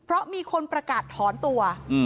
เพราะมีคนประกาศถอนตัว